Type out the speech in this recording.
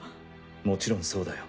もちろんそうだよ。